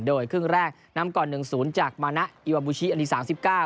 โดยครึ่งแรกนำก่อนหนึ่งศูนย์จากมานะอิวาบูชิอดีตสามสิบเก้า